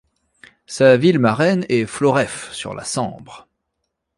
Sa ville marraine est Floreffe sur la Sambre.